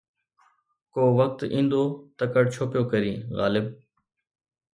ڪو وقت ايندو، تڪڙ ڇو پيو ڪرين غالب!